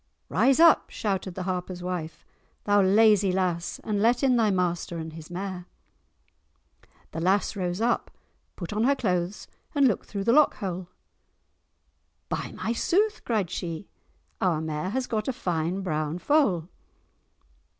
"Rise up," shouted the Harper's wife, "thou lazy lass, and let in thy master and his mare." The lass rose up, put on her clothes and looked through the lock hole. "By my sooth," cried she, "our mare has got a fine brown foal!"